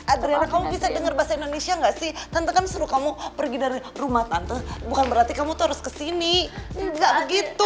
adriana kamu bisa denger bahasa indonesia gak sih tante kan suruh kamu pergi dari rumah tante bukan berarti kamu terus ke sini gak begitu